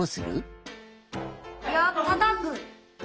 いやたたく。